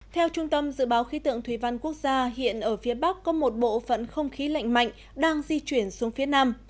theo trung tâm dự báo khí tượng thủy văn quốc gia hiện ở phía bắc có một bộ phận không khí lạnh mạnh đang di chuyển xuống phía nam